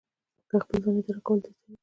که د خپل ځان اداره کول دې زده کړل.